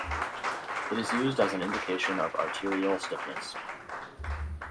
It is used as an indication of arterial stiffness.